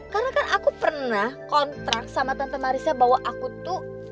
karena kan aku pernah kontrak sama tante marissa bahwa aku tuh